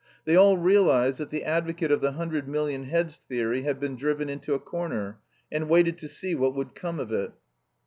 They all realised that the advocate of the hundred million heads theory had been driven into a corner, and waited to see what would come of it.